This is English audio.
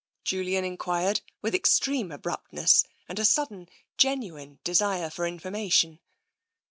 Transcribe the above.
Julian enquired with extreme abruptness, and a sudden, genuine desire for information.